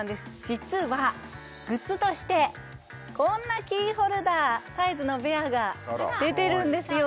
実はグッズとしてこんなキーホルダーサイズのベアが出てるんですよ